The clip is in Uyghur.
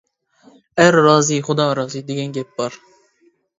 «ئەر رازى، خۇدا رازى» دېگەن گەپ بار!